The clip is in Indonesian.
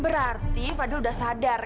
berarti fadil udah sadar